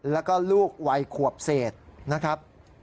แล้วก็ลูกวัยขวบเศษนะครับ